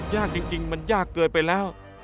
ยากจริงมันยากเกินไปแล้ว